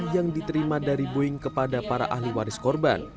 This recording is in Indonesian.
yang diterima dari boeing kepada para ahli waris korban